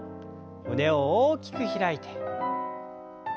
胸を大きく開いて。